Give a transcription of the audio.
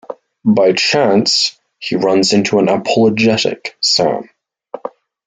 By chance, he runs into an apologetic Sam.